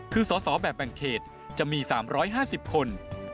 คือสอสอแบบแบ่งเขตจะมี๓๕๐คน